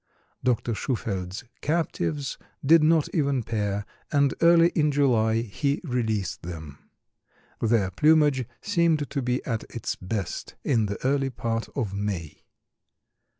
Dr. Shufeldt's captives did not even pair and early in July he released them. Their plumage seemed to be at its best in the early part of May.